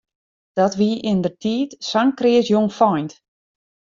Dat wie yndertiid sa'n kreas jongfeint.